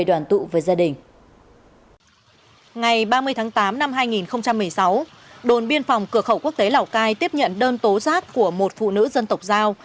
đồn biên phòng cửa khẩu quốc tế lào cai tiếp nhận đơn tố giác của một phụ nữ dân tộc giao